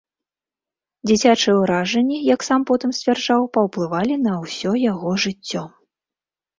Дзіцячыя ўражанні, як сам потым сцвярджаў, паўплывалі на ўсё яго жыццё.